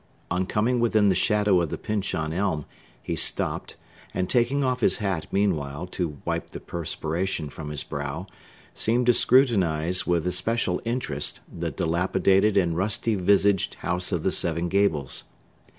On coming within the shadow of the Pyncheon Elm, he stopt, and (taking off his hat, meanwhile, to wipe the perspiration from his brow) seemed to scrutinize, with especial interest, the dilapidated and rusty visaged House of the Seven Gables.